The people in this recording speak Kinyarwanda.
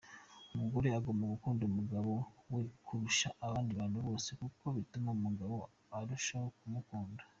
Umugore agomba gukunda umugabo we kurusha abandi bantu bose kuko bituma umugabo arushaho kumukunda.